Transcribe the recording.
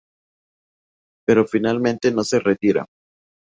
Pero finalmente no se retira.